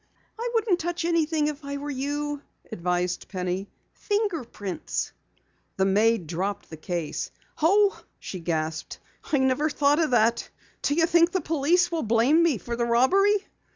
"I wouldn't touch anything if I were you," advised Penny. "Fingerprints." The maid dropped the case. "Oh!" she gasped. "I never thought of that! Do you think the police will blame me for the robbery?"